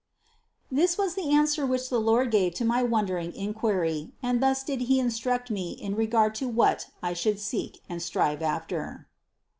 This was the answer which the Lord gave to my wondering inquiry and thus did He instruct me in regard to what I should seek and strive after.